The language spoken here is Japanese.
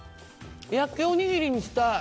焼きおにぎりにしたい。